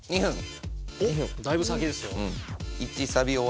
おっだいぶ先ですよ。